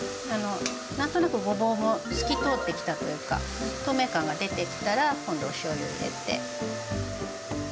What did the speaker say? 何となくごぼうも透き通ってきたというか透明感が出てきたら今度おしょうゆを入れて。